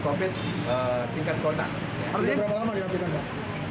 pemerintah kota jumat pemerintah kota jumat pemerintah kota jumat pemerintah kota jumat